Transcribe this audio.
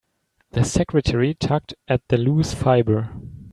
The secretary tugged at a loose fibre.